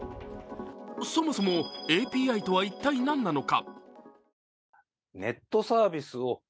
そもそもＡＰＩとは一体何なのか。